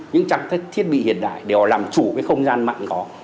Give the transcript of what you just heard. những trang thiết bị hiện đại để họ làm chủ cái không gian mạnh đó